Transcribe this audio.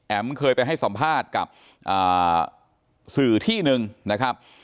แอ๋มเคยไปให้สัมภาษณ์กับอ่าสื่อที่นึงนะครับ